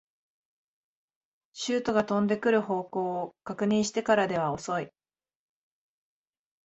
シュートが飛んでくる方向を確認してからでは遅い